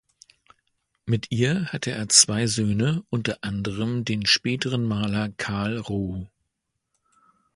Mit ihr hatte er zwei Söhne, unter anderem den späteren Maler Karl Roux.